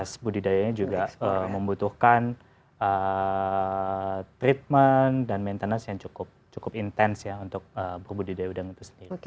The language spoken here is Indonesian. sebudidayanya juga membutuhkan treatment dan maintenance yang cukup intens ya untuk berbudidaya udang itu sendiri